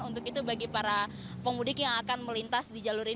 untuk itu bagi para pemudik yang akan melintas di jalur ini